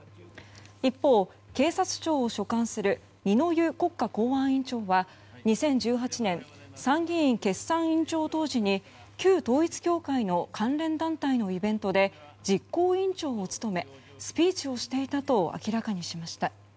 一方、警察庁を所管する二之湯国家公安委員長は２０１８年参議院決算委員長当時に旧統一教会の関連団体のイベントで実行委員長を務めスピーチをしていたと明らかにしました。